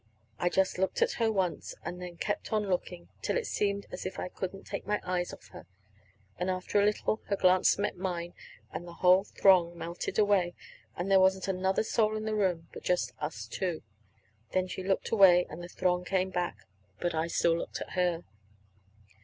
"I just looked at her once and then kept on looking till it seemed as if I just couldn't take my eyes off her. And after a little her glance met mine and the whole throng melted away, and there wasn't another soul in the room but just us two. Then she looked away, and the throng came back. But I still looked at her."